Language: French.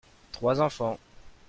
Trois enfants.